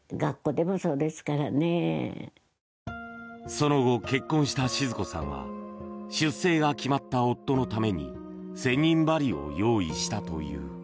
その後、結婚した静子さんは出征が決まった夫のために千人針を用意したという。